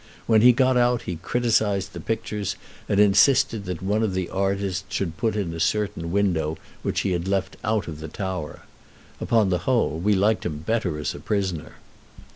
When he got out he criticised the pictures, and insisted that one of the artists should put in a certain window which he had left out of the tower. Upon the whole, we liked him better as a prisoner.